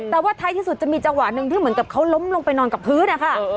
แต่ว่าท้ายที่สุดจะมีจังหวะหนึ่งที่เหมือนกับเขาล้มลงไปนอนกับพื้นนะคะ